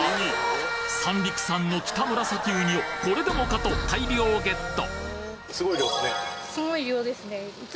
三陸産のキタムラサキウニをこれでもかと大量ゲット！